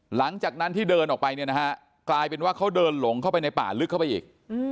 หลังจากนั้นที่เดินออกไปเนี่ยนะฮะกลายเป็นว่าเขาเดินหลงเข้าไปในป่าลึกเข้าไปอีก